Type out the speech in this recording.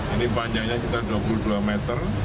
ini panjangnya kita dua puluh dua meter